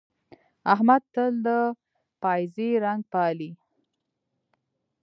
احمد تل د پايڅې رنګ پالي.